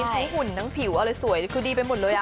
ทั้งหุ่นทั้งผิวอะไรสวยคือดีไปหมดเลย